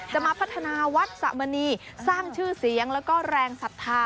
จะมาพัฒนาวัดสะมณีสร้างชื่อเสียงแล้วก็แรงศรัทธา